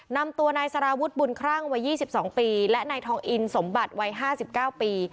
นำตัวนายสารวุฒิบุญคร่างวัยยี่สิบสองปีและนายทองอินสมบัติวัยห้าสิบเก้าปี